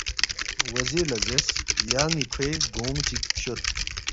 وزیر لہ زیرس، ”یان٘ی کھوے گونگ چِک فشود